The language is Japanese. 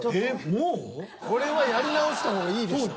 これはやり直した方がいいでしょう。